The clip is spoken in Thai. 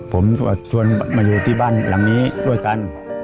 ผมชวนมาอยู่ที่บ้านหลังนี้ด้วยกัน